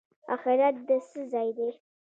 اخرت د څه ځای دی؟